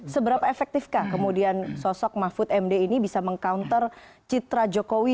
seberapa efektifkah kemudian sosok mahfud md ini bisa meng counter citra jokowi